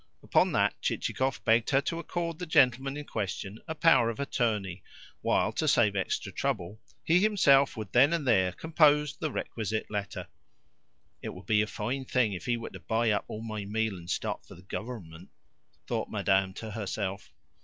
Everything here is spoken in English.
Upon that Chichikov begged her to accord the gentleman in question a power of attorney, while, to save extra trouble, he himself would then and there compose the requisite letter. "It would be a fine thing if he were to buy up all my meal and stock for the Government," thought Madame to herself.